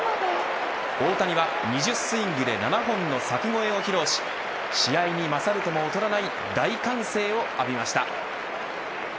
大谷は２０スイングで７本の柵越えを披露し試合に勝るとも劣らない大歓声を浴びました。